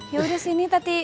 ya udah sini tati